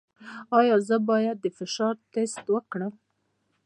ایا زه باید د فشار ټسټ وکړم؟